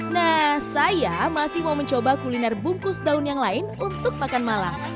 nah saya masih mau mencoba kuliner bungkus daun yang lain untuk makan malam